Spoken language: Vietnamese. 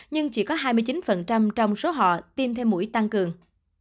nhưng chỉ có hai mươi chín trong số họ tiêm thêm mũi tăng cường